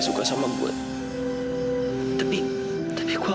sekarang kamu keluar juga